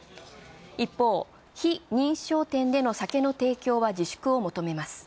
一方、非認証店での酒の提供は自粛を求めます。